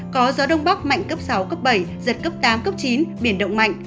có gió đông bắc mạnh cấp sáu cấp bảy giật cấp tám cấp chín biển động mạnh